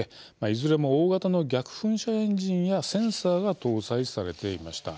いずれも大型の逆噴射エンジンやセンサーが搭載されていました。